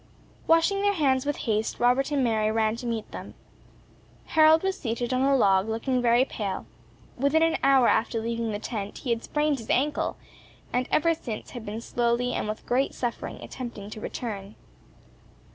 Washing their hands with haste, Robert and Mary ran to meet them. Harold was seated on a log, looking very pale. Within an hour after leaving the tent he had sprained his ankle, and ever since had been slowly and with great suffering attempting to return.